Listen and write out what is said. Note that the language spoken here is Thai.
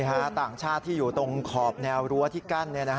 ต่างชาติที่อยู่ตรงขอบแนวรั้วที่กั้น